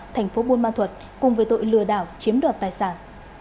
thành phố buôn ma thuật cùng với tội lừa đảo chiếm đoạt tài sản